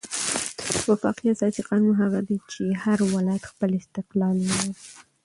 وفاقي اساسي قانون هغه دئ، چي هر ولایت خپل استقلال ولري.